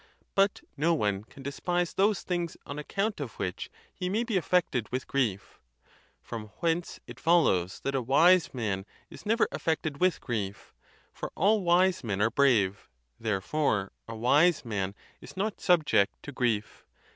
But no one can despise those things on account of which he may be affected with rief; from whence it follows that a wise man is never af ected with grief: for all wise men are brave; therefore a wise man is not subject to grief.